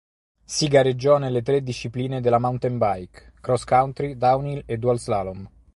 Si gareggiò nelle tre discipline della mountain bike, cross country, downhill e dual slalom.